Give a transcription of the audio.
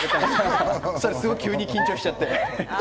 そしたら急に緊張しちゃって。